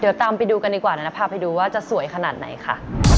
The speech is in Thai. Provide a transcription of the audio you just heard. เดี๋ยวตามไปดูกันดีกว่านะพาไปดูว่าจะสวยขนาดไหนค่ะ